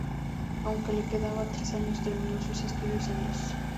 Aunque le quedaban tres años terminó sus estudios en dos.